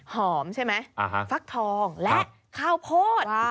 ใช่ไหมฟักทองและข้าวโพด